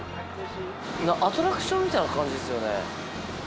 アトラクションみたいな感じですよね。